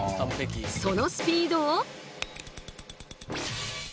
そのスピード。